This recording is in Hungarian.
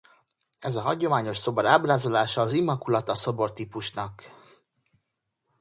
Ez a hagyományos szobor ábrázolása az Immaculata szobor típusnak.